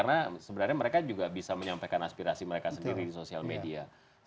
karena sebenarnya mereka juga bisa menyampaikan aspirasi mereka sendiri di sosial media